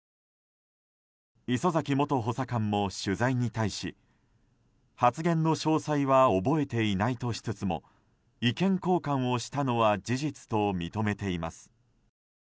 礒崎元補佐官も取材に対し発言の詳細は覚えていないとしつつも意見交換をしたのは事実と認めています。